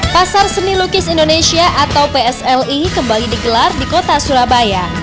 pasar seni lukis indonesia atau psli kembali digelar di kota surabaya